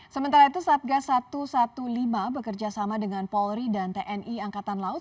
sementara itu satgas satu ratus lima belas bekerjasama dengan polri dan tni angkatan laut